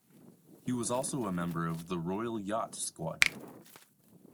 He was also a member of The Royal Yacht Squadron.